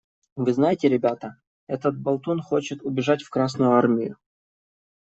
Вы знаете, ребята, этот болтун хочет убежать в Красную Армию!